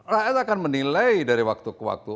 rakyat akan menilai dari waktu ke waktu